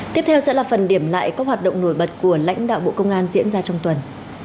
tiếp theo sẽ là phần điểm lại các hoạt động nổi bật của lãnh đạo bộ công an diễn ra trong tuần